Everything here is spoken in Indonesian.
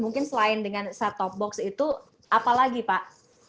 mungkin selain dengan set top box itu apalagi pak